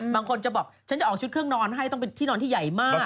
บางคนจะบอกฉันจะออกชุดเครื่องนอนให้ต้องเป็นที่นอนที่ใหญ่มาก